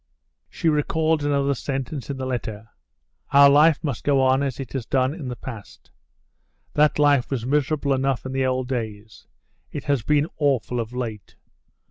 She recalled another sentence in the letter. "Our life must go on as it has done in the past...." "That life was miserable enough in the old days; it has been awful of late.